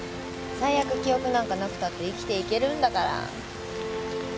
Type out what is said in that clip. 最悪記憶なんかなくたって生きていけるんだから。